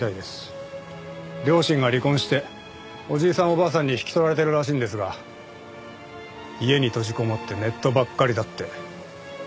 両親が離婚しておじいさんおばあさんに引き取られてるらしいんですが家に閉じこもってネットばっかりだって。